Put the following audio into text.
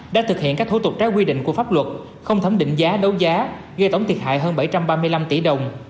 đã thực hiện các thủ tục trái quy định của pháp luật không thẩm định giá đấu giá gây tổng thiệt hại hơn bảy trăm ba mươi năm tỷ đồng